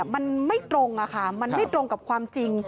มันไม่ตรงค่ะมันไม่ตรงกับความจริง